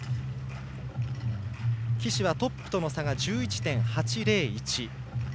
岸はトップとの差が１１．８０１。